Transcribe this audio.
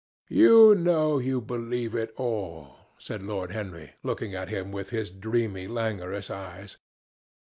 "You know you believe it all," said Lord Henry, looking at him with his dreamy languorous eyes.